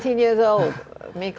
dan kami siap membantu